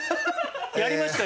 やりましたよ